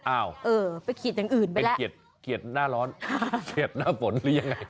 อ้าวเป็นเขียดหน้าร้อนเขียดหน้าฝนหรือยังไง